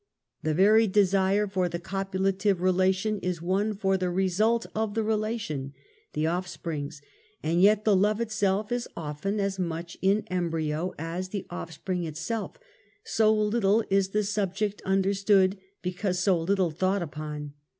The very desire for the copulative relation is one for the result of the relation — the offsprings ; and yet the love itself is often as much in embryo as the offspring itself; so little is the subject understood^ because so little thought upon.